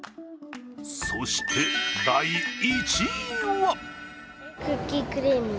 そして第１位は？